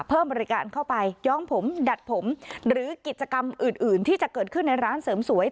เพิ่มบริการเข้าไปย้องผมดัดผมหรือกิจกรรมอื่นที่จะเกิดขึ้นในร้านเสริมสวย